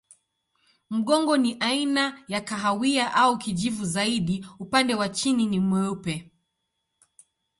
Mgongo ni aina ya kahawia au kijivu zaidi, upande wa chini ni mweupe.